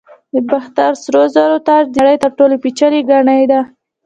د باختر سرو زرو تاج د نړۍ تر ټولو پیچلي ګاڼې دي